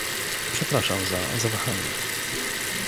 Przepraszam za zawahanie